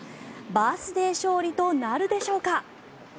バースデー勝利となるでしょうか。